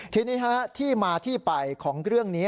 ทีนี้ที่มาที่ไปของเรื่องนี้